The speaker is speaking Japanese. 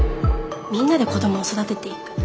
みんなで子供を育てていく。